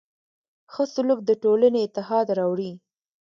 ښه سلوک د ټولنې اتحاد راوړي.